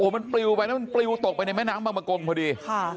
มันปลิวไปแล้วมันปลิวตกไปในแม่น้ำบางประกงพอดี